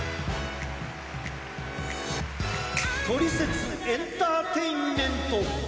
トリセツエンターテインメント。